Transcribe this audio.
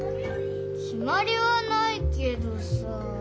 きまりはないけどさ。